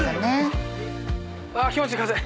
わ気持ちいい風！